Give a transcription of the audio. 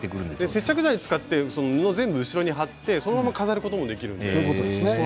接着剤を使って布を全部一緒に貼ってそのまま飾ることもできます。